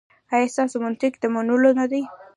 ایا ستاسو منطق د منلو نه دی؟